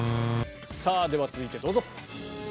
では続いてどうぞ。